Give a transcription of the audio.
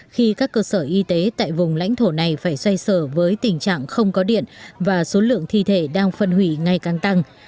khi các cơ sở y tế tại vùng lãnh thổ này phải xoay sở với tình trạng không có điện và số lượng thi thể đang phân hủy ngày càng tăng